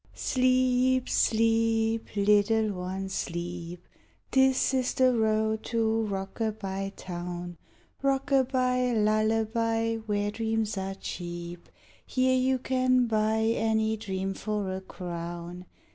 Sleep, sleep, little one, sleep; This is the road to Rockaby Town. Rockaby, lullaby, where dreams are cheap; Here you can buy any dream for a crown.